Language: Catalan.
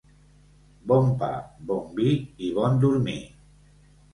Bon pa, bon vi i bon dormir.